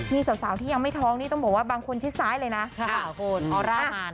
นี่สาวที่ยังไม่ท้องนี่ต้องบอกว่าบางคนชิดซ้ายเลยนะคุณออร่ามา